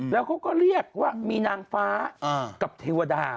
แล้วเขาก็เรียกว่ามีนางฟ้ากับเทวดา